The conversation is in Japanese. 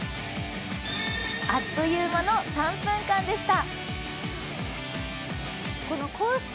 あっという間の３分間でした。